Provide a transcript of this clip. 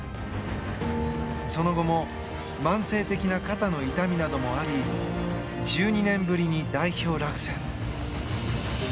その後も慢性的な肩の痛みなどもあり１２年ぶりに代表落選。